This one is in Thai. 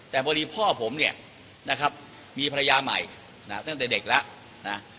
แต่พอดีพ่อผมเนี่ยนะครับมีภรรยาใหม่ตั้งแต่เด็กแล้วนะ